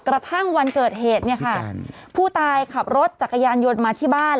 กระทั่งวันเกิดเหตุเนี่ยค่ะผู้ตายขับรถจักรยานยนต์มาที่บ้าน